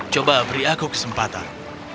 coba beri aku kesempatan